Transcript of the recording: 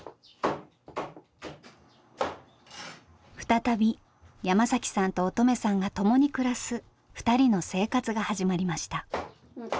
再び山さんと音十愛さんが共に暮らす２人の生活が始まりました。